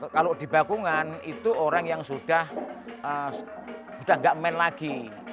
kalau di bakungan itu orang yang sudah tidak men lagi